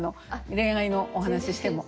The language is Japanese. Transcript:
恋愛のお話しても。